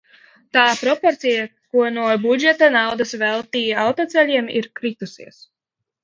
Tā proporcija, ko no budžeta naudas veltī autoceļiem, ir kritusies.